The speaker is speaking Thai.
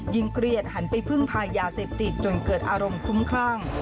เครียดหันไปพึ่งพายาเสพติดจนเกิดอารมณ์คุ้มคลั่ง